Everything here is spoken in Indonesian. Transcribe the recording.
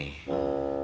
sampai jumpa lagi